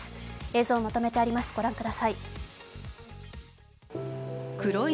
映像をまとめてあります、ご覧ください。